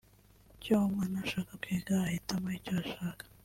icyo umwana ashaka kwiga (ahitamo icyo ashaka)